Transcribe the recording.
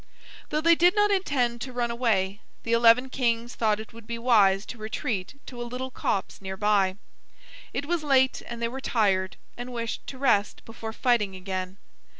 Though they did not intend to run away, the eleven kings thought it would be wise to retreat to a little copse near by. It was late and they were tired and wished to rest before fighting again.